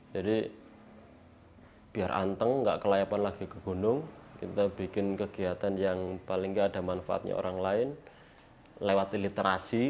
jadi biar anteng tidak kelayapan lagi ke gunung kita bikin kegiatan yang paling tidak ada manfaatnya orang lain lewati literasi